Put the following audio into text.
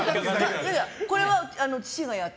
これは父がやって。